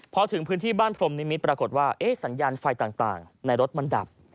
พอถึงพื้นที่บ้านพรมนิมิตรปรากฏว่าสัญญาณไฟต่างในรถมันดับ